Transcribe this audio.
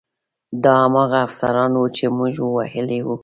دا هماغه افسران وو چې موږ وهلي وو